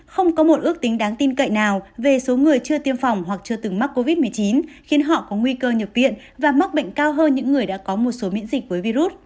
không có một ước tính đáng tin cậy nào về số người chưa tiêm phòng hoặc chưa từng mắc covid một mươi chín khiến họ có nguy cơ nhập viện và mắc bệnh cao hơn những người đã có một số miễn dịch với virus